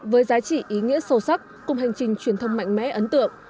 với giá trị ý nghĩa sâu sắc cùng hành trình truyền thông mạnh mẽ ấn tượng